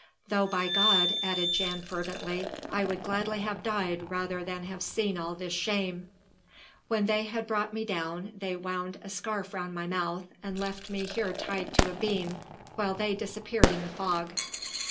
Though by God," added Jan fervently, "I would gladly have died rather than have seen all this shame! When they had brought me down they wound a scarf round my mouth and left me here tied to a beam, while they disappeared in the fog."